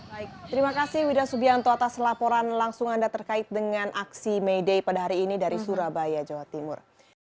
baik terima kasih widha subianto atas laporan langsung anda terkait dengan aksi may day pada hari ini dari surabaya jawa timur